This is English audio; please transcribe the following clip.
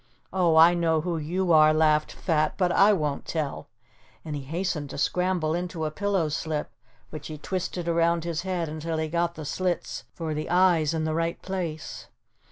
"Oh, I know who you are," laughed Fat, "but I won't tell," and he hastened to scramble into a pillow slip, which he twisted around his head until he got the slits for the eyes in the right place.